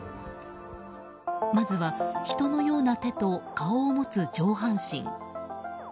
まずは、人のような手と顔を持つ上半身。